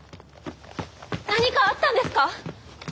何かあったんですか？